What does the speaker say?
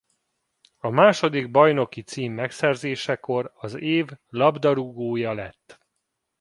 A második bajnoki cím megszerzésekor az év labdarúgója lett.